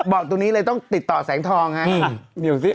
บอกตรงนี้เลยต้องติดต่อแสงทองฮะ